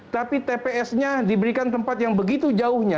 tapi tpsnya diberikan tempat yang begitu jauhnya